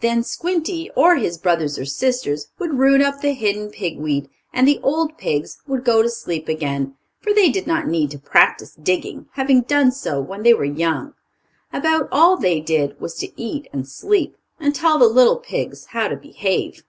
Then Squinty, or his brothers or sisters, would root up the hidden pig weed, and the old pigs would go to sleep again, for they did not need to practice digging, having done so when they were young. About all they did was to eat and sleep, and tell the little pigs how to behave.